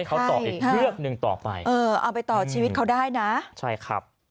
เขาต่ออีกเทือกหนึ่งต่อไปเออเอาไปต่อชีวิตเขาได้นะใช่ครับ